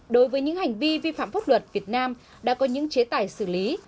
đối với những hành vi vi phạm pháp luật việt nam đã có những chế tài xử lý